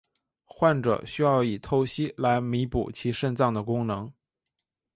患者需要以透析来弥补其肾脏的功能。